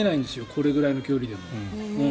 これぐらいの距離でも。